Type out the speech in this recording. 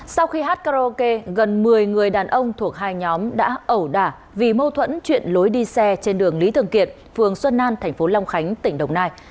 sau khi hát karaoke gần một mươi người đàn ông thuộc hai nhóm đã ẩu đả vì mâu thuẫn chuyện lối đi xe trên đường lý thường kiệt phường xuân an thành phố long khánh tỉnh đồng nai